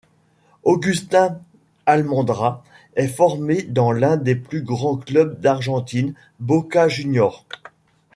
Agustín Almendra est formé dans l'un des plus grands clubs d'Argentine, Boca Juniors.